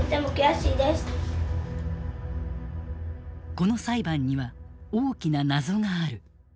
この裁判には大きな謎がある。